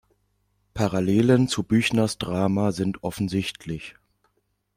Parallelen zu Büchners Drama sind offensichtlich.